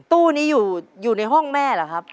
ตู้นี้อยู่ในห้องแม่เหรอครับ